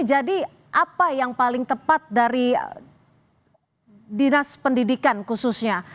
jadi apa yang paling tepat dari dinas pendidikan khususnya